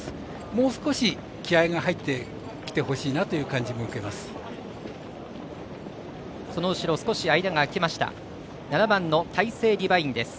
もう少し気合いが入ってきてほしいなという感じを受けます。